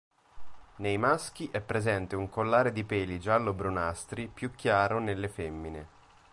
Nei maschi è presente un collare di peli giallo-brunastri, più chiaro nelle femmine.